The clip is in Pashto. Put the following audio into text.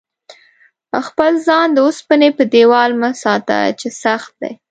خپل ځان د اوسپنې په دېوال مه ساته چې سخت دی.